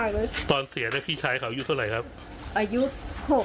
อายุ๖ขวบซึ่งตอนนั้นเนี่ยเป็นพี่ชายมารอเอาน้องชายไปอยู่ด้วยหรือเปล่าเพราะว่าสองคนนี้เขารักกันมาก